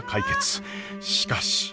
しかし。